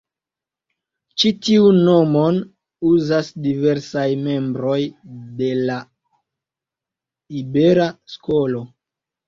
Ĉi tiun nomon uzas diversaj membroj de la Ibera Skolo.